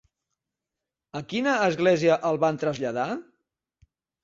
A quina església el van traslladar?